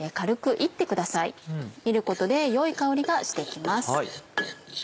炒ることで良い香りがして来ます。